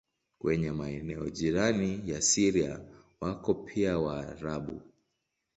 Kwenye maeneo jirani na Syria wako pia Waarabu.